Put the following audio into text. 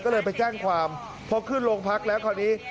ก็เลยไปแจ้งความพอขึ้นโรงพักแล้วคราวนี้